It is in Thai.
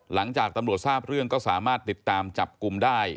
หลังจากตำรวจทราบเรื่องก็สามารถติดตามจับกลุ่มได้